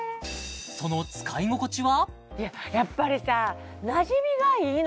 その使い心地は？